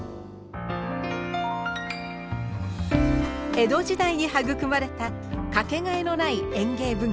江戸時代に育まれたかけがえのない園芸文化。